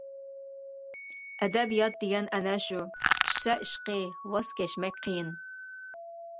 ئەدەبىيات دېگەن ئەنە شۇ، چۈشسە ئىشقى ۋاز كەچمەك قىيىن.